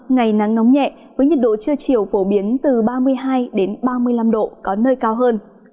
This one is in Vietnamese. ngày nắng nóng nhẹ với nhiệt độ trưa chiều phổ biến từ ba mươi hai ba mươi năm độ có nơi cao hơn